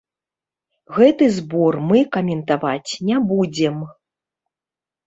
Гэты збор мы каментаваць не будзем!